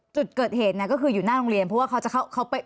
จุดเกิดเหตุเนี่ยก็คืออยู่หน้าโรงเรียนเพราะว่าเขาจะเข้าเขาไป